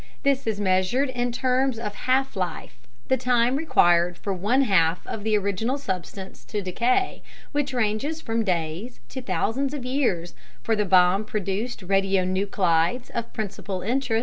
This is measured in terms of "half life" the time required for one half of the original substance to decay which ranges from days to thousands of years for the bomb produced radionuclides of principal interest.